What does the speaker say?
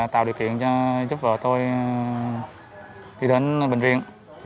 tạo điều kiện cho giúp vợ tôi đi đến bệnh viện